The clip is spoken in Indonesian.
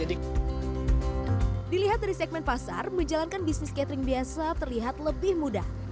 dilihat dari segmen pasar menjalankan bisnis catering biasa terlihat lebih mudah